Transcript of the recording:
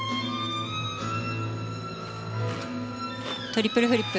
トリプルフリップ。